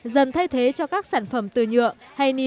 dần thay thế cho các sản phẩm từ nhựa hay niệm